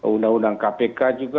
undang undang kpk juga